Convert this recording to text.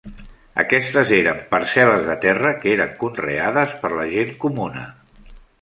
Aquestes eren parcel·les de terra que eren conreades per la gent comuna.